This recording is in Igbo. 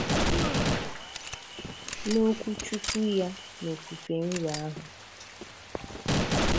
N'okwuchukwu ya n'ofufe nro ahụ